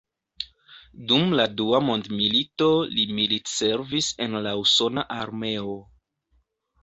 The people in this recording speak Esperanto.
Dum la Dua Mondmilito li militservis en la Usona Armeo.